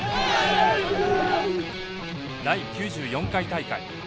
第９４回大会。